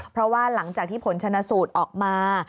เพราะว่าหลังจากที่ผลชนะสูตรออกมา